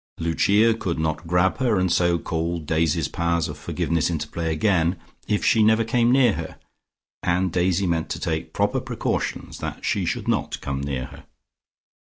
Lucia could not grab her and so call Daisy's powers of forgiveness into play again, if she never came near her, and Daisy meant to take proper precautions that she should not come near her.